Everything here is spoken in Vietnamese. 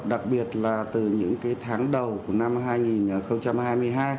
đặc biệt là từ những tháng đầu của năm hai nghìn hai mươi hai